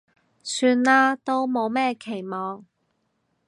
算啦，都冇咩期望